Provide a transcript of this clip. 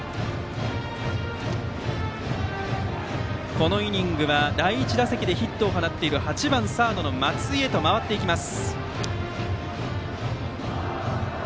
このイニングは第１打席でヒットを放っている８番サードの松井へと回ります。